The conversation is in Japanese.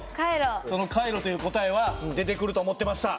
そのカイロという答えは出てくると思ってました。